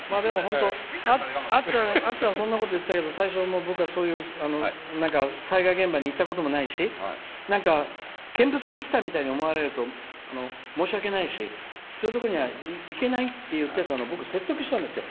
あっちゃんそんなこと言ってたけど最初、僕は、そういう災害現場に行ったこともないし見物に来たみたいに思われると申し訳ないし、そういうところに行けないって僕、説得したんですよ。